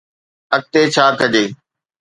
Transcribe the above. اڳتي ڇا ڪجي؟